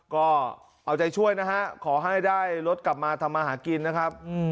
ก็เอาใจช่วยนะฮะขอให้ได้รถกลับมาทำมาหากินนะครับ